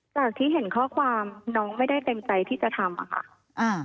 จากที่เห็นข้อความน้องไม่ได้เต็มใจที่จะทำอะค่ะ